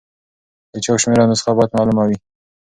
د چاپ شمېر او نسخه باید معلومه وي.